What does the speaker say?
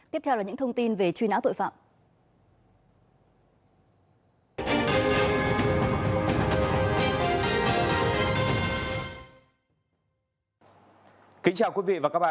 tiếp theo là những thông tin về truy nã tội phạm